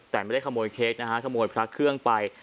แต่ไม่ได้ขโมยเค้กนะฮะขโมยพระเครื่องไป